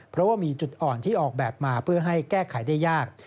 เพราะว่ามีจุดอ่อนที่ออกแบบมาเพื่อให้แก้ไขได้ยาก